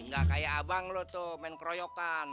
gak kayak abang loh tuh main keroyokan